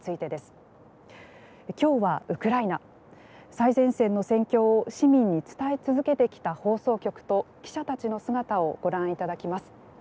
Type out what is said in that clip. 最前線の戦況を市民に伝え続けてきた放送局と記者たちの姿をご覧いただきます。